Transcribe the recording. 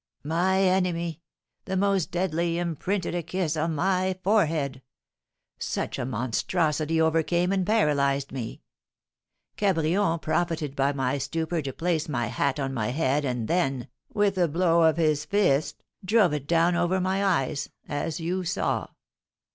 "My enemy, the most deadly, imprinted a kiss on my forehead; such a monstrosity overcame and paralysed me. Cabrion profited by my stupor to place my hat on my head, and then, with a blow of his fist, drove it down over my eyes, as you saw.